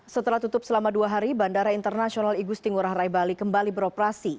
setelah tutup selama dua hari bandara internasional igusti ngurah rai bali kembali beroperasi